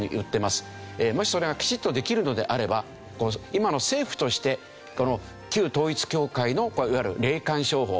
もしそれがきちっとできるのであれば今の政府として旧統一教会のいわゆる霊感商法。